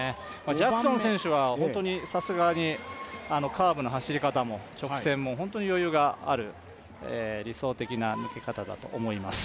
ジャクソン選手はさすがにカーブの走り方も直線も本当に余裕がある理想的な抜け方だと思います。